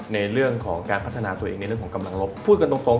ในเรื่องของการพัฒนาตัวเองในเรื่องของกำลังลบพูดกันตรงตรง